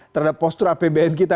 terhadap postur apbn kita